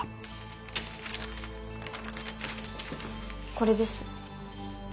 これです。